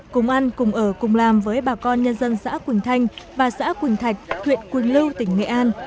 cùng ăn cùng ở cùng làm với bà con nhân dân xã quỳnh thanh và xã quỳnh thạch huyện quỳnh lưu tỉnh nghệ an